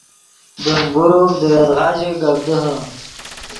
دیم گروپ دے یدغا ژے گپ دیہے